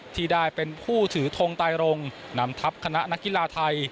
ที่ได้เป็นผู้ถือทงไตรรงนำทัพคณะนักกีฬาไทย